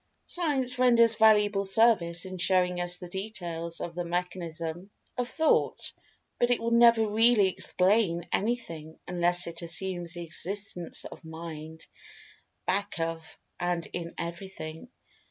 Science renders valuable service in showing us the details of the "mechanism" of Thought, but it will never really explain anything unless it assumes the existence of Mind, back of and in everything.